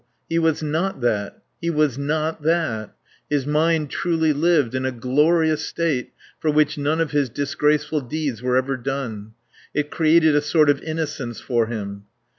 He was not that. He was not that. His mind truly lived in a glorious state for which none of his disgraceful deeds were ever done. It created a sort of innocence for him.